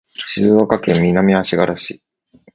静岡県南足柄市